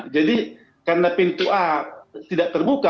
jadi karena pintu a tidak terbuka